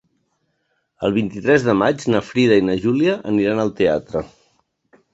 El vint-i-tres de maig na Frida i na Júlia aniran al teatre.